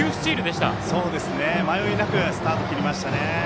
迷いなくスタート切りましたね。